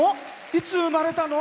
いつ生まれたの？